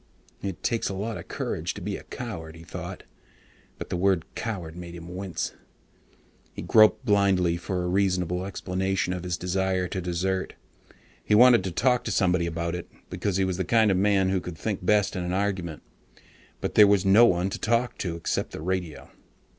It takes a lot of courage to be a coward, he thought, but the word coward made him wince. He groped blindly for a reasonable explanation of his desire to desert. He wanted to talk to somebody about it, because he was the kind of man who could think best in an argument. But there was no one to talk to except the radio.